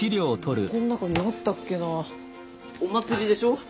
この中にあったっけなお祭りでしょ？